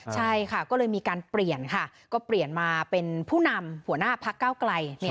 ใช่ค่ะก็เลยมีการเปลี่ยนค่ะก็เปลี่ยนมาเป็นผู้นำหัวหน้าพักเก้าไกล